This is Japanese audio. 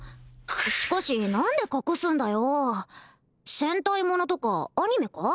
しかし何で隠すんだよ戦隊ものとかアニメか？